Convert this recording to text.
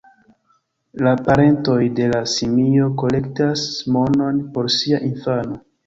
La parentoj de la simio kolektas monon por sia infano.